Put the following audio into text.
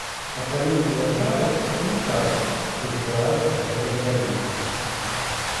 А калі і звяртаюцца, то не кажуць, што збіраюцца гэта зрабіць.